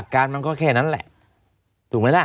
ก็แค่นั้นแหละถูกไหมล่ะ